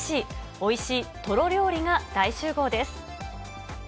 おいしいトロ料理が大集合です。